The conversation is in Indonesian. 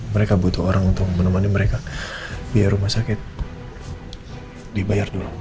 mereka butuh orang untuk menemani mereka biar rumah sakit dibayar dulu